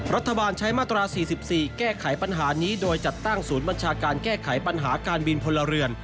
รัฐบาลใช้มาตรา๔๔แก้ไขปัญหานี้โดยจัดตั้งศูนย์บัญชาการแก้ไขปัญหาการบินพลเรือน